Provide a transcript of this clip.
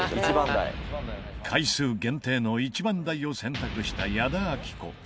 回数限定の１番台を選択した矢田亜希子。